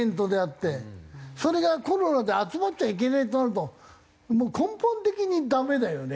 それがコロナで集まっちゃいけねえとなると根本的にダメだよね。